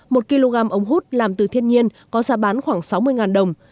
một kg ống hút làm từ thiên nhiên có giá bán khoảng sáu mươi đồng